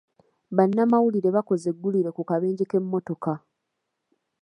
Bannamawulire baakoze eggulire ku kabenje k'emmotoka.